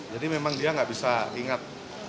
jadi memang dia nggak bisa ingat